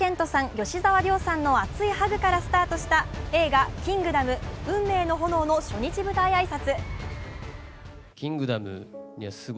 吉沢亮さんの熱いハグからスタートした映画「キングダム運命の炎」の初日舞台挨拶。